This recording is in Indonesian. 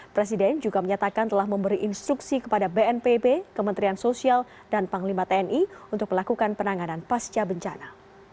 presiden juga menyatakan telah memberi instruksi kepada bnpb kementerian sosial dan panglima tni untuk melakukan penanganan pasca bencana